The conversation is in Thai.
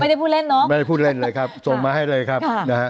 ไม่ได้พูดเล่นเนอะไม่ได้พูดเล่นเลยครับส่งมาให้เลยครับนะฮะ